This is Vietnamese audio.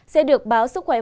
sẽ được báo sức khỏe bắc